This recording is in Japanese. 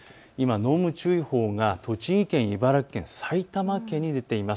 濃霧注意報が栃木県、茨城県、埼玉県に出ています。